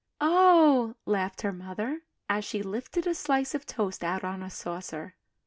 "] "Oh!" laughed her mother, as she lifted a slice of toast out on a saucer.